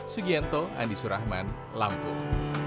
sugianto andi surahman lampung